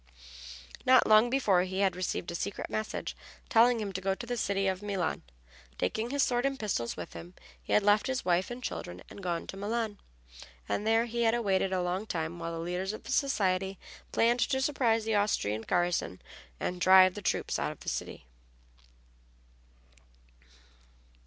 Not long before he had received a secret message telling him to go to the city of Milan, taking his sword and pistols with him. He had left his wife and children and gone to Milan, and there he had waited a long time while the leaders of the society planned to surprise the Austrian garrison and drive the troops out of the city.